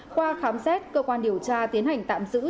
qua khám xét cơ quan điều tra tiến hành tạm giữ